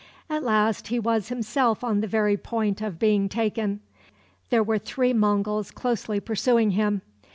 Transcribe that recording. At last he was himself on the very point of being taken. There were three Monguls closely pursuing him.